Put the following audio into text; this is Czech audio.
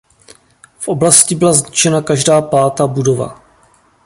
V oblasti byla zničena každá pátá budova.